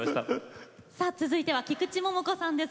続いては菊池桃子さんです。